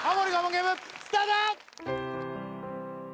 ゲームスタート